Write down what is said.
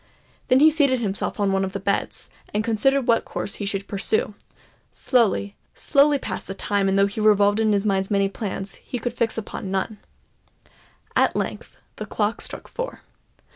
Then he seated himself on one of the beds, and considered what course he should pursue. Slowly—slowly passed the time; and though he revolved in his mind many plans, he could fix upon none. At length the clock struck four.